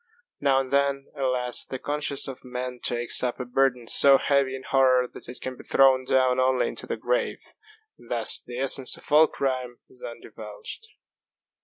Now and then, alas, the conscience of man takes up a burthen so heavy in horror that it can be thrown down only into the grave. And thus the essence of all crime is undivulged.